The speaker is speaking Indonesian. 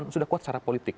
sudah kuat secara politik